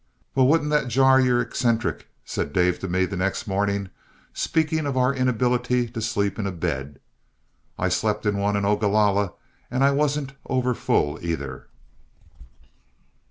"Well, wouldn't that jar your eccentric," said Dave to me the next morning, speaking of our inability to sleep in a bed. "I slept in one in Ogalalla, and I wasn't over full either."